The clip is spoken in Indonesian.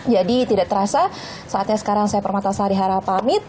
jadi tidak terasa saatnya sekarang saya permata sarihara pamit